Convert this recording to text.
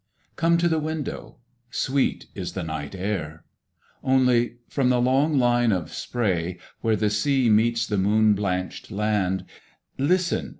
Come to the window, sweet is the night air! Only, from the long line of spray Where the sea meets the moon blanch'd land, Listen!